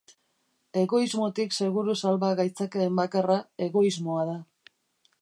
Egoismotik seguru salba gaitzakeen bakarra egoismoa da.